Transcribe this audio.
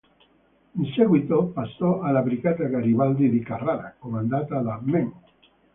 In seguito passò alla Brigata Garibaldi di Carrara, comandata da "Memo".